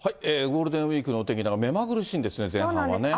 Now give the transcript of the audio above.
ゴールデンウィークのお天気、目まぐるしいんですね、前半はね。